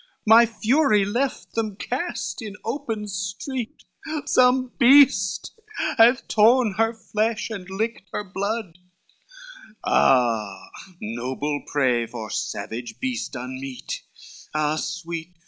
My fury left them cast in open street, Some beast hath torn her flesh and licked her blood, Ah noble prey! for savage beast unmeet, Ah sweet!